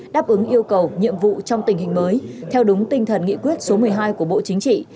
đáp ứng yêu cầu nhiệm vụ trong tình hình mới theo đúng tinh thần nghị quyết số một mươi hai của bộ chính trị